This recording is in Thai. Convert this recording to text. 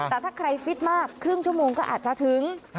แต่ถ้าใครฟิตมากครึ่งชั่วโมงก็อาจจะถึง